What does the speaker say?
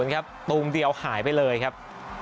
ครับตูมเดียวหายไปเลยครับ